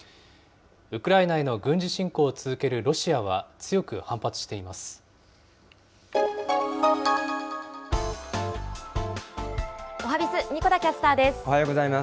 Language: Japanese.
ウクライナへの軍事侵攻を続けるロシアは、強く反発しています。